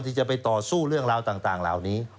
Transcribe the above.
ที่จะไปต่อสู้เรื่องราวต่างเหล่านี้